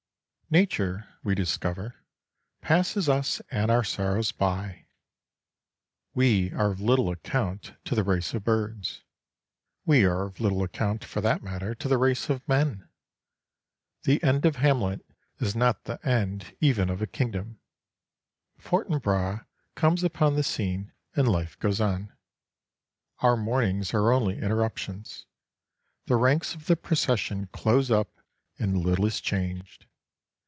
Nature, we discover, passes us and our sorrows by. We are of little account to the race of birds. We are of little account, for that matter, to the race of men. The end of Hamlet is not the end even of a kingdom. Fortinbras comes upon the scene, and life goes on. Our mournings are only interruptions. The ranks of the procession close up and little is changed.